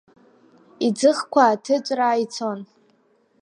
Иӡыӷқәа ҭыҵәраа ицон.